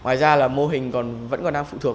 ngoài ra là mô hình còn vẫn còn đang phụ thuộc